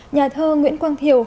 nhà thơ nguyễn quang thiều